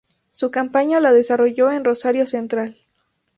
Su campaña la desarrolló en Rosario Central.